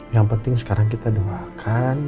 yang penting sekarang kita doakan